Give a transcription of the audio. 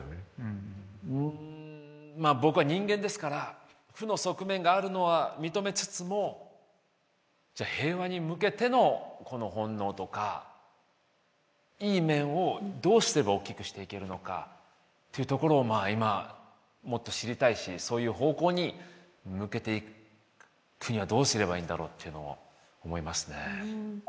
うんまあ僕は人間ですから負の側面があるのは認めつつもじゃ平和に向けての本能とかいい面をどうすれば大きくしていけるのかっていうところを今もっと知りたいしそういう方向に向けていくにはどうすればいいんだろうっていうのを思いますね。